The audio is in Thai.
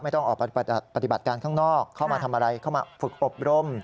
ต้องออกปฏิบัติการข้างนอกเข้ามาทำอะไรเข้ามาฝึกอบรม